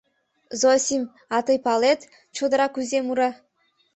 — Зосим, а тый палет, чодыра кузе мура?